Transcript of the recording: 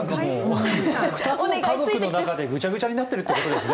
２つの家族の中でぐちゃぐちゃになってるってことですね。